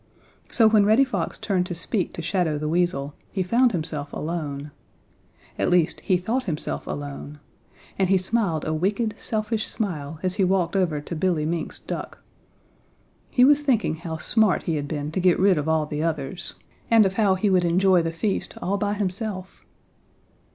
So when Reddy Fox turned to speak to Shadow the Weasel, he found himself alone. At least he thought himself alone, and he smiled a wicked, selfish smile as he walked over to Billy Mink's duck. He was thinking how smart he had been to get rid of all the others, and of how he would enjoy the feast all by himself.